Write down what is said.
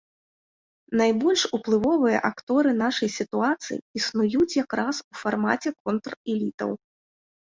Найбольш уплывовыя акторы нашай сітуацыі існуюць як раз у фармаце контр-элітаў.